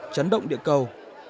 chấn động địa cầu